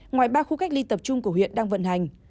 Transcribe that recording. ngoài ba khu cách ly tập trung của huyện đang vận hành